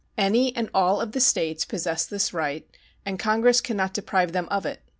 Any and all the States possess this right, and Congress can not deprive them of it.